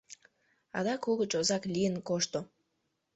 Адак угыч озак лийын кошто.